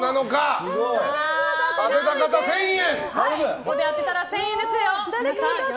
ここで当てたら１０００円ですよ。